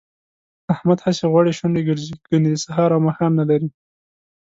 احمد هسې غوړې شونډې ګرځي، ګني د سهار او ماښام نه لري